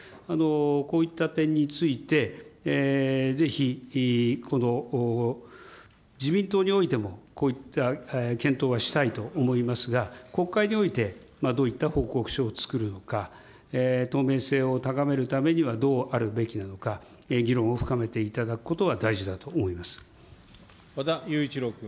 こういった点について、ぜひこの自民党においても、こういった検討はしたいと思いますが、国会においてどういった報告書を作るのか、透明性を高めるためには、どうあるべきなのか、議論を深めていただくことは大事だと思和田有一朗君。